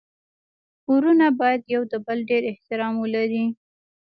ورونه باید يو د بل ډير احترام ولري.